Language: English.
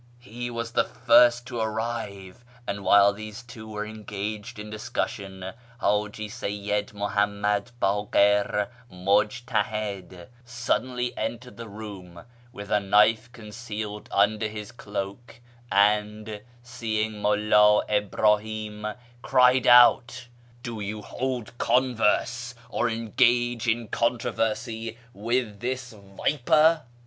He was the first to arrive, and while these two were engaged in discussion, Haji Seyyid Muhammad Bakir, Mujtaliid, suddenly entered the room with a knife concealed under his cloak, and, seeing Mulla Ibrahim, cried out, ' Do you hold converse or engage in controversy with this viper